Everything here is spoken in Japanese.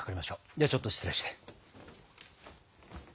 ではちょっと失礼して。